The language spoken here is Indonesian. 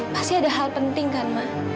pasti ada hal penting kan mah